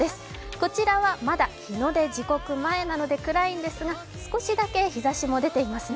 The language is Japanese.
こちらはまだ日の出時刻前なので暗いんですが、少しだけ日ざしも出ていますね。